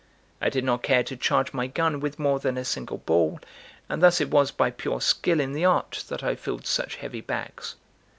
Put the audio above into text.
I did not care to charge my gun with more than a single ball; and thus it was by pure skill in the art that I filled such heavy bags.